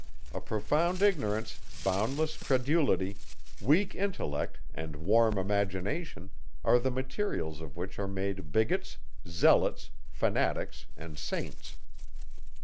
A profound ignorance, boundless credulity, weak intellect, and warm imagination, are the materials, of which are made bigots, zealots, fanatics, and saints.